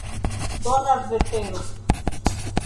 Bona vetero.